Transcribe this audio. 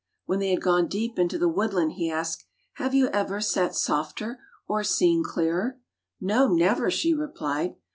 When they had gone deep into the woodland he asked, "Have you ever sat softer or seen clearer?" "No, never," she replied.